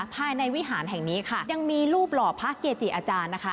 ภายในวิหารแห่งนี้ค่ะยังมีรูปหล่อพระเกจิอาจารย์นะคะ